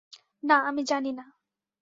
না, আমি জানি না।